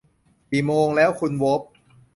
กี่โมงแล้ว คุณโวล์ฟ